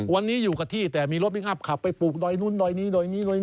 วันนี้อยู่กันที่แต่มีรถวิ่งอัพขับไปปลูกโดยนูนโดยนี้